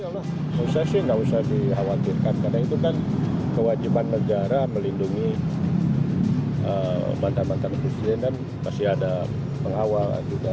ya menurut saya sih nggak usah dikhawatirkan karena itu kan kewajiban negara melindungi mantan mantan presiden dan pasti ada pengawalan juga